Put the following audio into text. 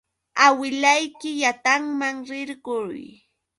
Awilayki yantaman rirquy.